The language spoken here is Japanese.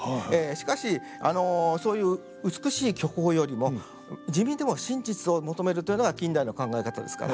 しかしそういう美しい虚構よりも地味でも真実を求めるというのが近代の考え方ですから。